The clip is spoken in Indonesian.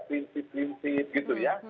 prinsip prinsip gitu ya